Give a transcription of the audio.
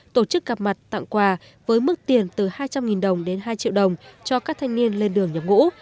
tổ chức gặp mặt tặng quà với mức tiền từ hai trăm linh đồng đến hai triệu đồng cho các thanh niên lên đường nhập ngũ